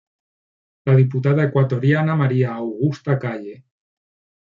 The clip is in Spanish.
La diputada ecuatoriana María Augusta Calle.